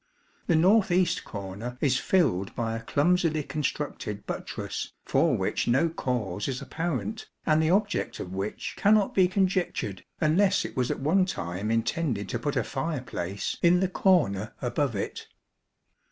The north east corner is filled by a clumsily constructed buttress, for which no cause is apparent, and the object of which cannot be conjectured, unless it was at one time intended to put a fireplace in the corner above it.